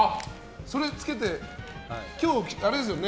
それ着けて今日、あれですよね。